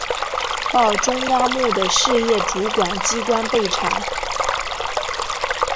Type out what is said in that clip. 报中央目的事业主管机关备查